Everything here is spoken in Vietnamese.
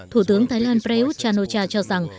thủ tướng thái lan prayuth chan o cha cho rằng